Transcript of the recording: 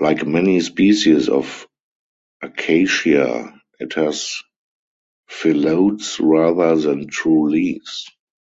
Like many species of "Acacia" it has phyllodes rather than true leaves.